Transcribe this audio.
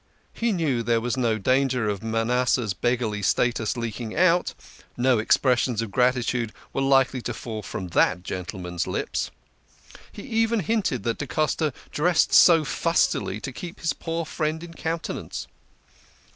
He knew there was no danger of Manasseh's beggarly status leaking out ; no expressions of gratitude were likely to fall from that gentleman's lips. He even hinted that da Costa dressed so fustily to keep his poor friend in countenance.